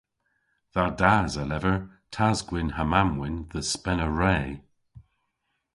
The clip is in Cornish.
Dha das a lever tas-gwynn ha mamm-wynn dhe spena re.